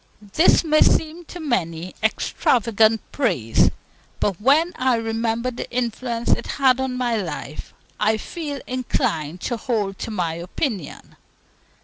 This may seem to many extravagant praise; but when I remember the influence it had on my life, I feel inclined to hold to my opinion.